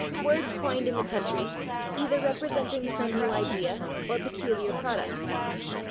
words coined in the country, either representing some new idea or peculiar product.